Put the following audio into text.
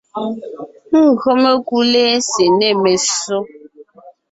Gÿo mekú lɛ́sè nê messó,